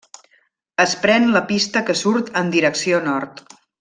Es pren la pista que surt en direcció nord.